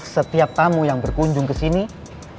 setiap tamu yang berkunjung ke sini dia harus resep